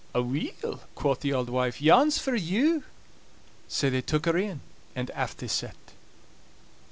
"Aweel," quo' the auld wife, "yon's for you." Sae they took her in, and aff they set.